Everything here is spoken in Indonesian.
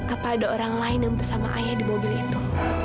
apa ada orang lain yang bersama ayah di mobil itu